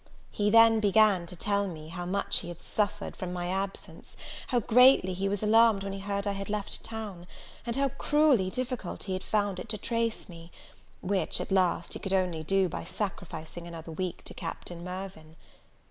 He then began to tell me, how much he had suffered from absence; how greatly he was alarmed when he heard I had left town; and how cruelly difficult he had found it to trace me; which, at last, he could only do by sacrificing another week to Captain Mirvan.